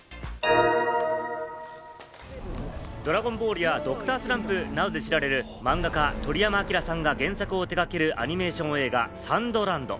『ドラゴンボール』や『Ｄｒ．スランプ』などで知られる漫画家・鳥山明さんが原作を手がけるアニメーション映画『ＳＡＮＤＬＡＮＤ』。